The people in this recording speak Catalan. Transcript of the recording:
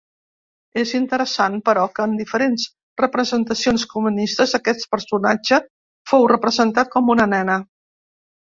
És interessant, però, que en diferents representacions comunistes aquest personatge fos representat com una nena.